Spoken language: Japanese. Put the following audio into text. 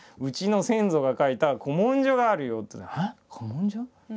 「えっ？古文書？」。